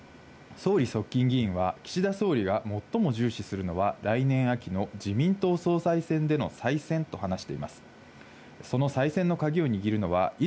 総理側近議員は、岸田総理が最も重視するのは、来年秋の自民党総裁選での再選と話しています。